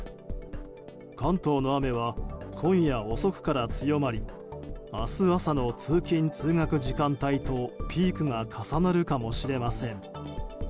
関東の雨は今夜遅くから強まり明日朝の通勤・通学時間帯とピークが重なるかもしれません。